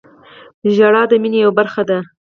• ژړا د مینې یوه برخه ده.